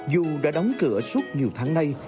dù đã đóng cửa suốt nhiều tháng nay